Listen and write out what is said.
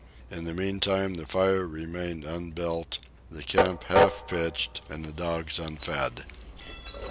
In the meantime the fire remained unbuilt, the camp half pitched, and the dogs unfed.